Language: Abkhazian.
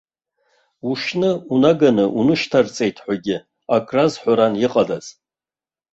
Ушьны унаганы унышьҭарҵеитҳәагьы ак разҳәаран иҟадаз.